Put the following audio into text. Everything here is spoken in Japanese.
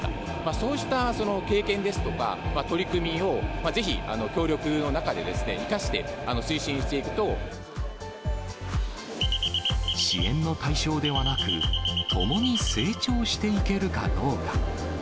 そうした経験ですとか、取り組みをぜひ協力の中で生かして、支援の対象ではなく、共に成長していけるかどうか。